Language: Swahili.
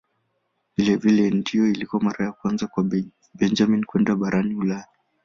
Vilevile hii ndiyo ilikuwa mara ya kwanza kwa Benjamin kwenda barani Ulaya.